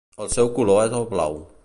El seu color és el blau.